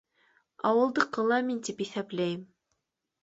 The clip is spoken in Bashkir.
Ауылдыҡы ла мин тип иҫәпләйем